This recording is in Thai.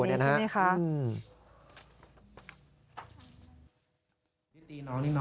น้องนี่น้องดื้อหรือเปล่ายังไง